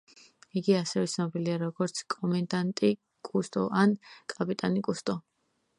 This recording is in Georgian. იგი ასევე ცნობილია როგორც „კომენდანტი კუსტო“ ან „კაპიტანი კუსტო“.